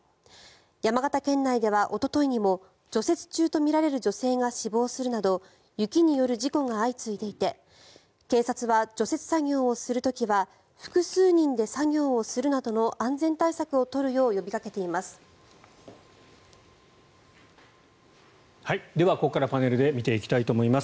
山形県内では、おとといにも除雪中とみられる女性が死亡するなど雪による事故が相次いでいて警察は除雪作業をする時は複数人で作業をするなどの安全対策を取るよう呼びかけています。